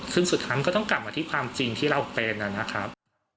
ซึ่งสุดท้ายมันก็ต้องกลับมาที่ความจริงที่เราเป็นนะครับ